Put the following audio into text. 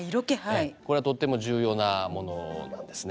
これはとっても重要なものなんですね。